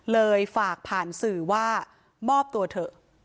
เลยฝากผ่านสื่อว่ามอบตัวเถอะ